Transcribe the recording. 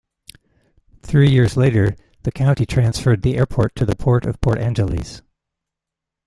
Three years later the county transferred the airport to the Port of Port Angeles.